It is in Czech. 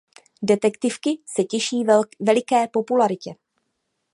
Detektivky se těší veliké popularitě.